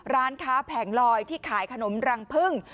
ร้านค้าแผงลอยที่ขายขนมรังพึ่ง